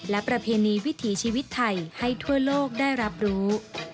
และประเพณีวิถีชีวิตไทยให้ทั่วโลกได้รับรู้